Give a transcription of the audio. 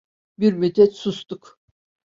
Bir müddet sustuk.